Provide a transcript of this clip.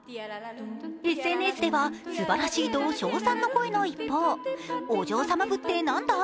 ＳＮＳでは、すばらしいと賞賛の声の一方、お嬢様部ってなんだ？